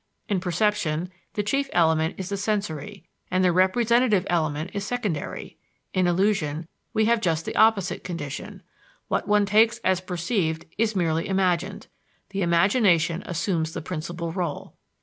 In perception, the chief element is the sensory, and the representative element is secondary; in illusion, we have just the opposite condition: what one takes as perceived is merely imagined the imagination assumes the principal rôle.